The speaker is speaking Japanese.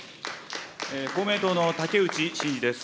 公明党の竹内真二です。